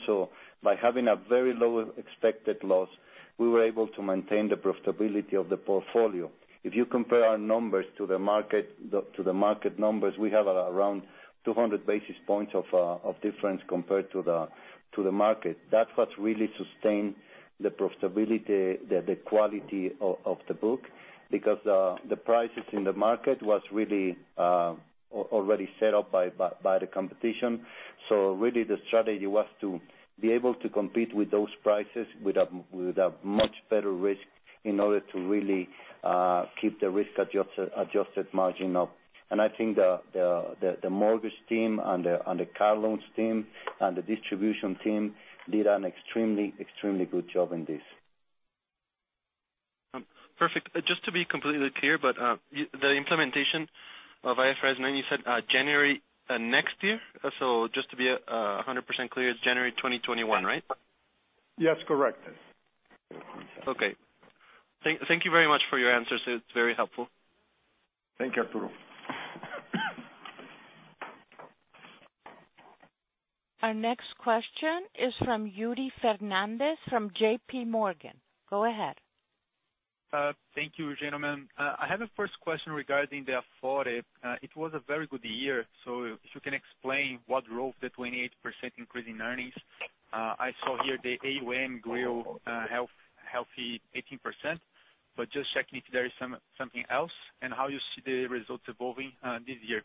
By having a very low expected loss, we were able to maintain the profitability of the portfolio. If you compare our numbers to the market numbers, we have around 200 basis points of difference compared to the market. That's what really sustained the profitability, the quality of the book, because the prices in the market was really already set up by the competition. Really, the strategy was to be able to compete with those prices with a much better risk in order to really keep the risk-adjusted margin up. I think the mortgage team and the car loans team, and the distribution team did an extremely good job in this. Perfect. Just to be completely clear, but the implementation of IFRS, now you said January next year? Just to be 100% clear, it's January 2021, right? Yes, correct. Okay. Thank you very much for your answers. It's very helpful. Thank you, Arturo. Our next question is from Yuri Fernandes from JPMorgan. Go ahead. Thank you, gentlemen. I have a first question regarding the Afore. It was a very good year. If you can explain what drove the 28% increase in earnings. I saw here the AUM grew a healthy 18%, just checking if there is something else, how you see the results evolving this year.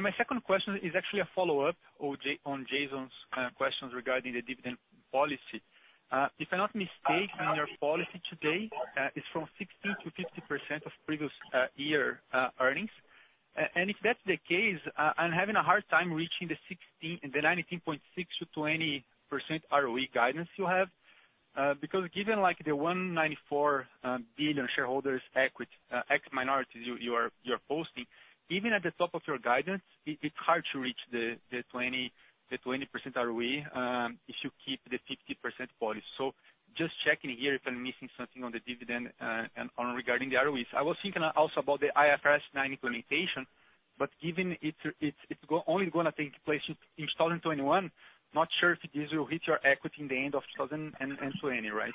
My second question is actually a follow-up on Jason's questions regarding the dividend policy. If I'm not mistaken, your policy today is from 16%-50% of previous year earnings. If that's the case, I'm having a hard time reaching the 19.6%-20% ROE guidance you have. Given the 194 billion shareholders equity, ex minorities you are posting, even at the top of your guidance, it's hard to reach the 20% ROE, if you keep the 50% policy. Just checking here if I'm missing something on the dividend, and regarding the ROEs. I was thinking also about the IFRS 9 implementation, but given it's only going to take place in 2021, not sure if this will hit your equity in the end of 2020, right?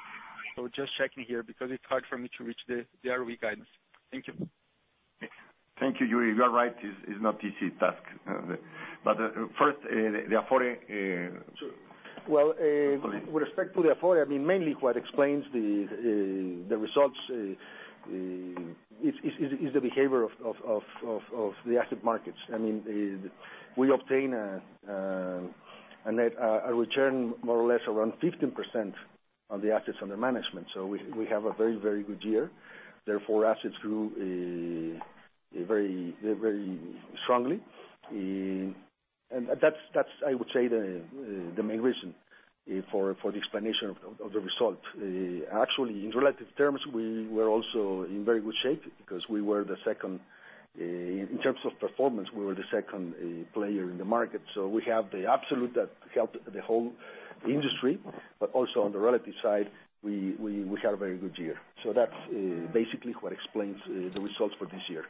Just checking here because it's hard for me to reach the ROE guidance. Thank you. Thank you, Yuri. You are right. It's not easy task. First, the Afore. Sure. Go ahead. With respect to the Afore, mainly what explains the results is the behavior of the active markets. We obtain a return more or less around 15% on the assets under management. We have a very good year. Therefore, assets grew very strongly. That's, I would say, the main reason for the explanation of the result. Actually, in relative terms, we're also in very good shape because in terms of performance, we were the second player in the market. We have the absolute that helped the whole industry, but also on the relative side, we had a very good year. That's basically what explains the results for this year.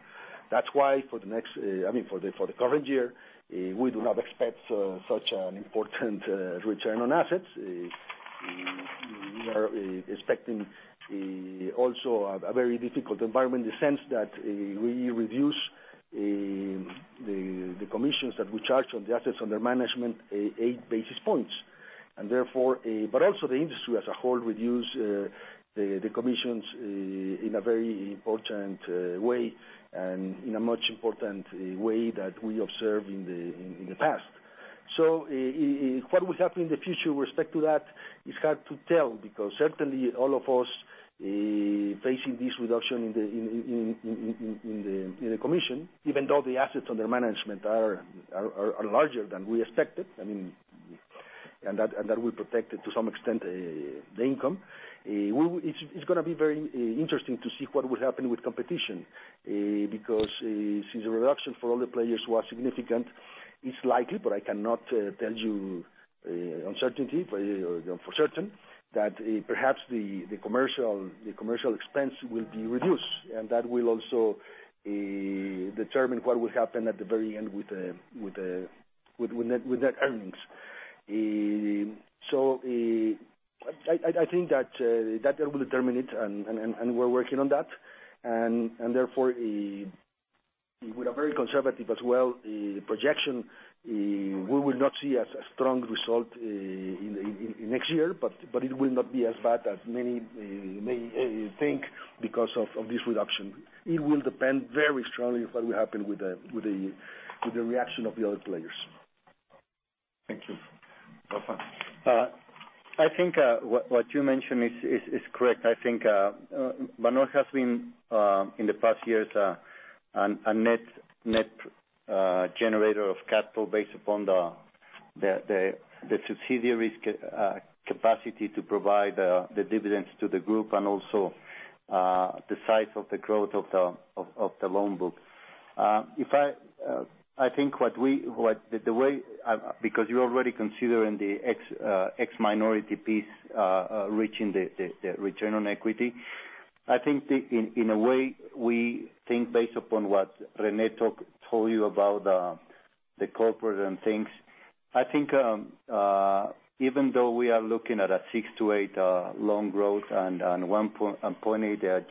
That's why for the current year, we do not expect such an important return on assets. We are expecting also a very difficult environment in the sense that we reduce the commissions that we charge on the assets under management eight basis points. Also the industry as a whole reduce the commissions in a very important way, and in a much important way that we observed in the past. What would happen in the future with respect to that, it's hard to tell because certainly all of us facing this reduction in the commission, even though the assets under management are larger than we expected, and that will protect, to some extent, the income. It's going to be very interesting to see what will happen with competition, because since the reduction for all the players who are significant, it's likely, but I cannot tell you for certain, that perhaps the commercial expense will be reduced, and that will also determine what will happen at the very end with the earnings. I think that will determine it, and we're working on that. Therefore, with a very conservative as well projection, we will not see a strong result next year, but it will not be as bad as many think because of this reduction. It will depend very strongly on what will happen with the reaction of the other players. Thank you. Rafael. I think what you mentioned is correct. I think Banorte has been, in the past years, a net generator of capital based upon the subsidiary's capacity to provide the dividends to the group and also the size of the growth of the loan book. Because you're already considering the ex-minority piece, reaching the return on equity, I think, in a way, we think based upon what René told you about the corporate and things. I think even though we are looking at a 6%-8% loan growth and on 0.8%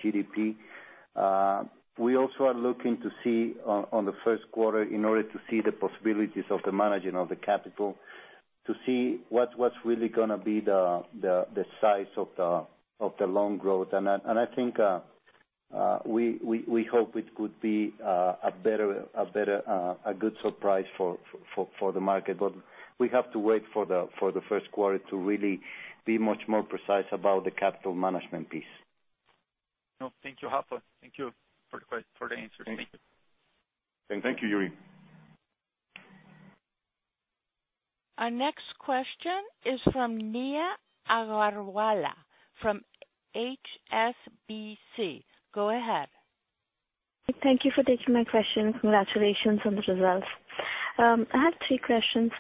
GDP, we also are looking to see on the first quarter in order to see the possibilities of the managing of the capital to see what's really going to be the size of the loan growth. I think, we hope it could be a good surprise for the market. We have to wait for the first quarter to really be much more precise about the capital management piece. No, thank you, Rafa. Thank you for the answer. Thank you. Thank you, Yuri. Our next question is from Neha Agarwala from HSBC. Go ahead. Thank you for taking my question. Congratulations on the results. I have three questions.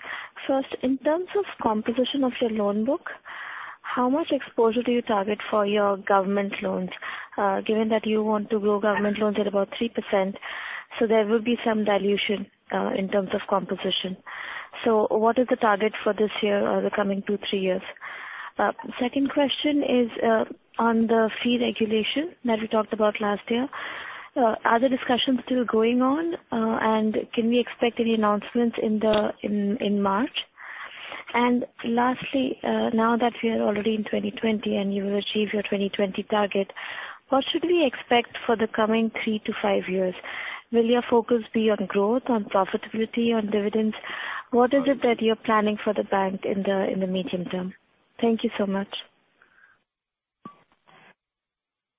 In terms of composition of your loan book, how much exposure do you target for your government loans, given that you want to grow government loans at about 3%? There will be some dilution, in terms of composition. What is the target for this year or the coming two, three years? Second question is on the fee regulation that we talked about last year. Are the discussions still going on, and can we expect any announcements in March? Lastly, now that we are already in 2020 and you will achieve your 2020 target, what should we expect for the coming three to five years? Will your focus be on growth, on profitability, on dividends? What is it that you're planning for the bank in the medium term? Thank you so much.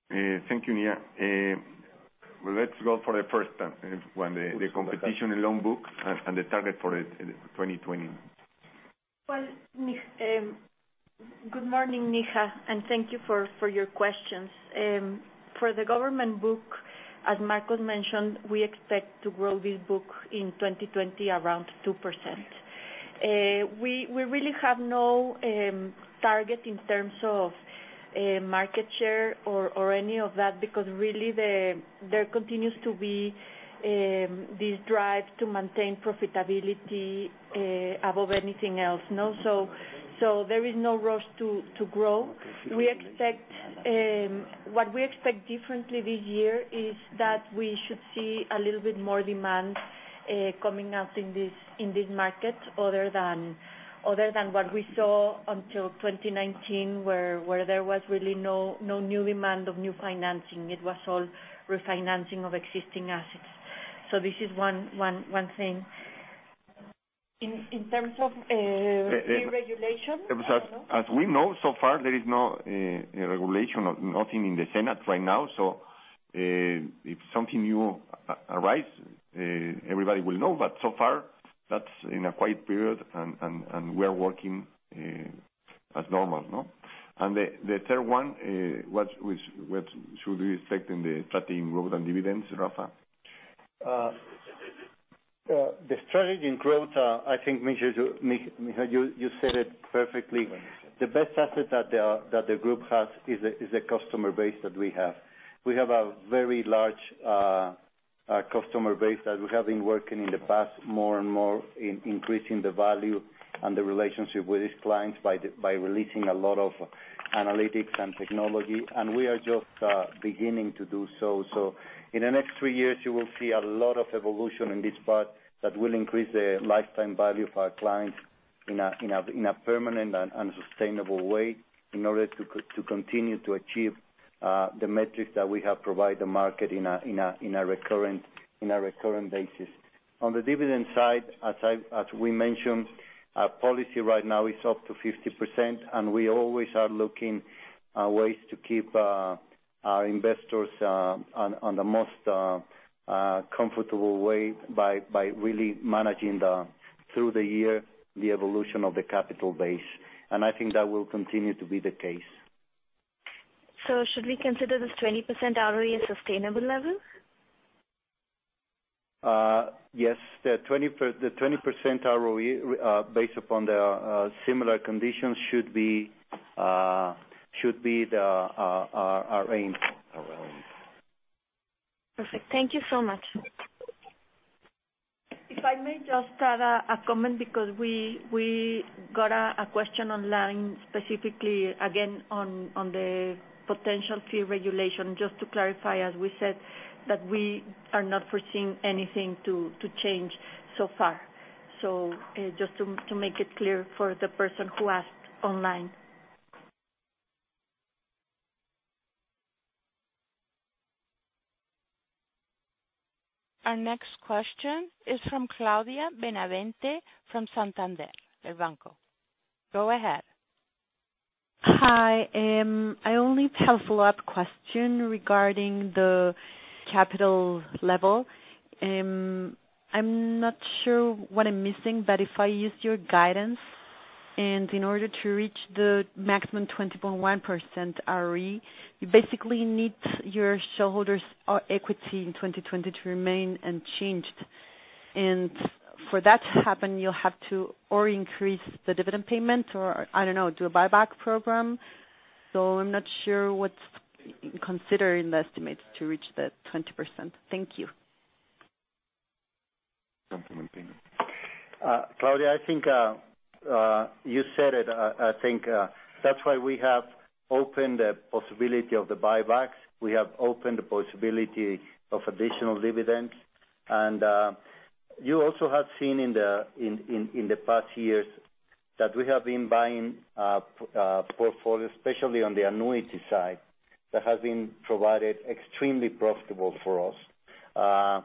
Thank you, Neha. Let's go for the first one, the competition in loan book and the target for it in 2020. Well, good morning, Neha. Thank you for your questions. For the government book, as Marcos mentioned, we expect to grow this book in 2020 around 2%. We really have no target in terms of market share or any of that because really there continues to be this drive to maintain profitability above anything else. There is no rush to grow. What we expect differently this year is that we should see a little bit more demand coming out in this market other than what we saw until 2019, where there was really no new demand of new financing. It was all refinancing of existing assets. This is one thing. In terms of fee regulation. As we know so far, there is no regulation, nothing in the Senate right now. If something new arises, everybody will know. So far, that's in a quiet period, and we are working as normal. The third one, what should we expect in the strategy in growth and dividends, Rafa? The strategy in growth, I think, Neha, you said it perfectly. The best asset that the group has is the customer base that we have. We have a very large customer base that we have been working in the past more and more in increasing the value and the relationship with these clients by releasing a lot of analytics and technology, and we are just beginning to do so. In the next three years, you will see a lot of evolution in this part that will increase the lifetime value of our clients in a permanent and sustainable way in order to continue to achieve the metrics that we have provided the market in a recurrent basis. On the dividend side, as we mentioned, our policy right now is up to 50%, and we always are looking at ways to keep our investors on the most comfortable way by really managing through the year, the evolution of the capital base. I think that will continue to be the case. Should we consider this 20% ROE a sustainable level? Yes. The 20% ROE, based upon the similar conditions, should be our aim. Perfect. Thank you so much. If I may just add a comment because we got a question online specifically again on the potential fee regulation. Just to clarify, as we said, that we are not foreseeing anything to change so far. Just to make it clear for the person who asked online. Our next question is from Claudia Benavente from Santander Banco. Go ahead. Hi. I only have a follow-up question regarding the capital level. I'm not sure what I'm missing, but if I use your guidance, in order to reach the maximum 20.1% ROE, you basically need your shareholders' equity in 2020 to remain unchanged. For that to happen, you'll have to or increase the dividend payment, or, I don't know, do a buyback program. I'm not sure what's considered in the estimate to reach the 20%. Thank you. Claudia, I think you said it. I think that's why we have opened the possibility of the buybacks. We have opened the possibility of additional dividends. You also have seen in the past years that we have been buying portfolios, especially on the annuity side, that has been provided extremely profitable for us.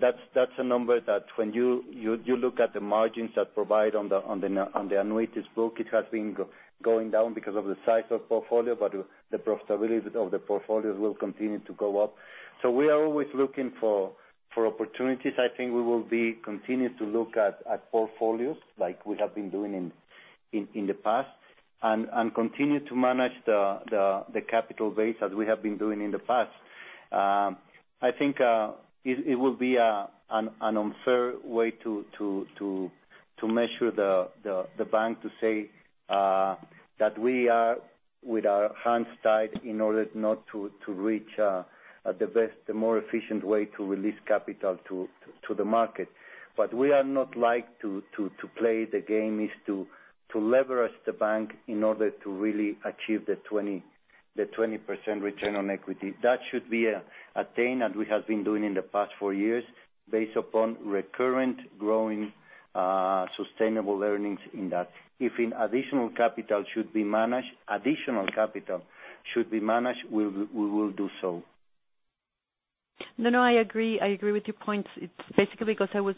That's a number that when you look at the margins that provide on the annuities book, it has been going down because of the size of portfolio, but the profitability of the portfolios will continue to go up. We are always looking for opportunities. I think we will be continuing to look at portfolios like we have been doing in the past and continue to manage the capital base as we have been doing in the past. I think it will be an unfair way to measure the bank to say that we are with our hands tied in order not to reach the best, the more efficient way to release capital to the market. We are not like to play the game is to leverage the bank in order to really achieve the 20% return on equity. That should be attained as we have been doing in the past four years, based upon recurrent growing, sustainable earnings in that. If additional capital should be managed, we will do so. No, I agree with your points. It's basically because I was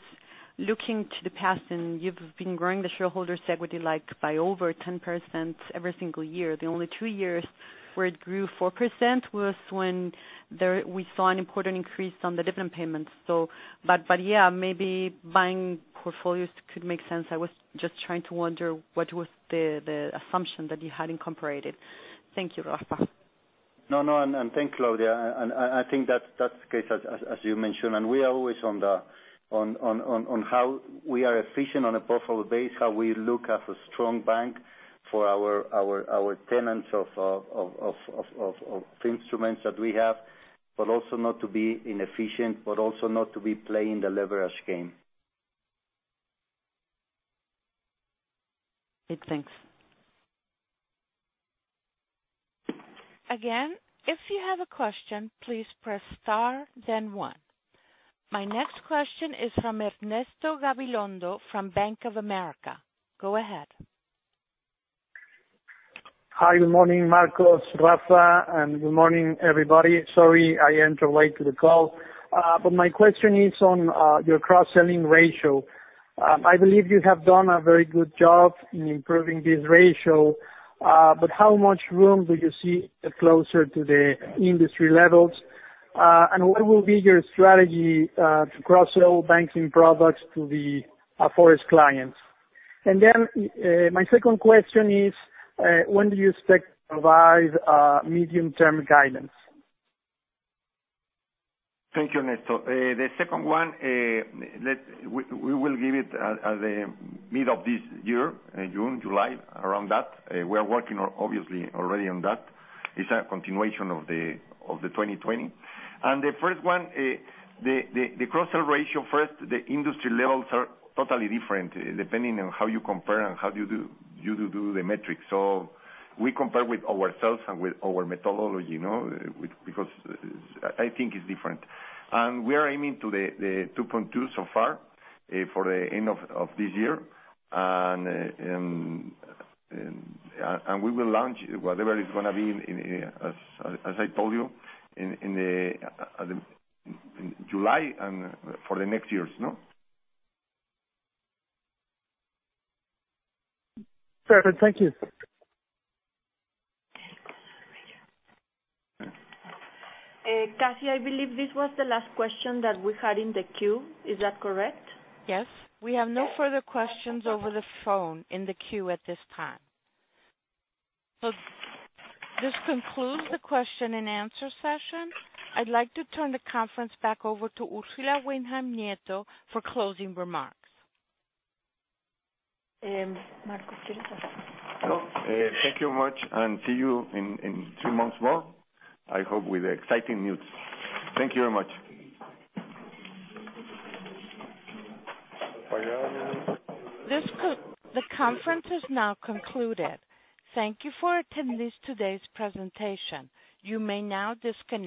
looking to the past. You've been growing the shareholders equity, like by over 10% every single year. The only two years where it grew 4% was when we saw an important increase on the dividend payments. Yeah, maybe buying portfolios could make sense. I was just trying to wonder what was the assumption that you had incorporated. Thank you, Rafa. Thanks, Claudia. I think that's the case, as you mentioned. We are always on how we are efficient on a portfolio basis, how we look as a strong bank for our types of instruments that we have, but also not to be inefficient, but also not to be playing the leverage game. Okay, thanks. Again, if you have a question, please press star then one. My next question is from Ernesto Gabilondo of Bank of America. Go ahead. Hi, good morning, Marcos, Rafa, and good morning, everybody. Sorry, I entered late to the call. My question is on your cross-selling ratio. I believe you have done a very good job in improving this ratio. How much room do you see closer to the industry levels? What will be your strategy to cross-sell banking products to the Afore clients? My second question is, when do you expect to provide medium-term guidance? Thank you, Ernesto. The second one, we will give it at the middle of this year, June, July, around that. We are working obviously already on that. It's a continuation of the 2020. The first one, the cross-sell ratio first, the industry levels are totally different depending on how you compare and how you do the metrics. We compare with ourselves and with our methodology, because I think it's different. We are aiming to the 2.2 so far for the end of this year. We will launch whatever is going to be, as I told you, in July and for the next years. Perfect. Thank you. Kathy, I believe this was the last question that we had in the queue. Is that correct? Yes. We have no further questions over the phone in the queue at this time. This concludes the question and answer session. I'd like to turn the conference back over to Ursula Wilhelm Nieto for closing remarks. Marcos, do you want to say something? No. Thank you very much, and see you in two months more, I hope with exciting news. Thank you very much. The conference is now concluded. Thank you for attending today's presentation. You may now disconnect.